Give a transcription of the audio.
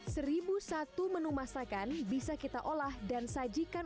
seribu satu menu masakan bisa kita olah dan sajikan